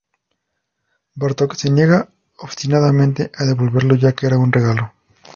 Bartok se niega obstinadamente a devolverlo ya que era un regalo.